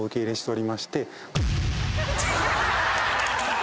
お！